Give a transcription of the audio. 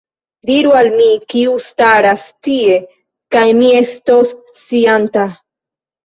Diru al mi, kiu staras tie, kaj mi estos scianta.